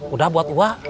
udah buat wa